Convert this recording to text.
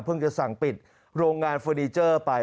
จะสั่งปิดโรงงานเฟอร์นิเจอร์ไป